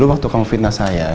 dulu waktu kamu fitnah saya